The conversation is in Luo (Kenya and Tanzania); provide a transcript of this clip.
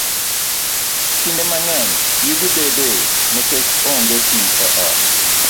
Kinde mang'eny, yugi bedoe nikech onge pi e ot.